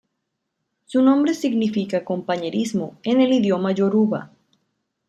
Su nombre significa "compañerismo" en el idioma yoruba.